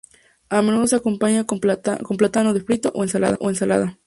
A menudo se acompaña con plátano frito o ensalada.